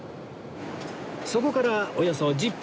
そこからおよそ１０分